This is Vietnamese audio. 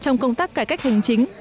trong công tác cải cách hành chính